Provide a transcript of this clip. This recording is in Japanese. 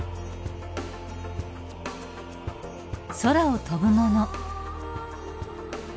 空を飛ぶもの。